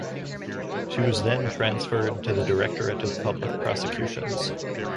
She was then transferred to the Directorate of Public Prosecutions.